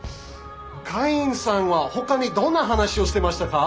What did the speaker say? カインさんはほかにどんな話をしてましたか？